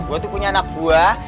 gue tuh punya anak buah